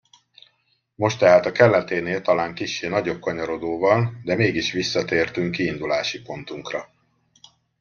Most tehát a kelleténél talán kissé nagyobb kanyarodóval, de mégis visszatértünk kiindulási pontunkra.